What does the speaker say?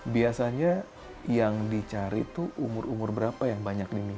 biasanya yang dicari tuh umur umur berapa yang banyak diminta